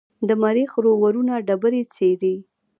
د مریخ روورونه ډبرې څېړي.